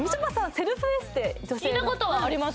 セルフエステ女性の聞いたことはあります